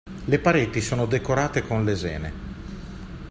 Le pareti sono decorate con lesene.